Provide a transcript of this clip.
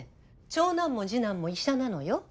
長男も次男も医者なのよ。